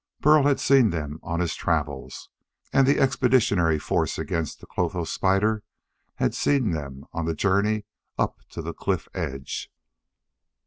Burl had seen them on his travels, and the expeditionary force against the clotho spider had seen them on the journey up to the cliff edge.